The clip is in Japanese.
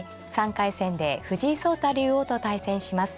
３回戦で藤井聡太竜王と対戦します。